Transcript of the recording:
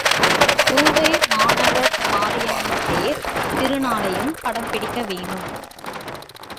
பூவைமாநகர் மாரியம்மன் தேர் திருநாளையும் படம் பிடிக்க வேணும்.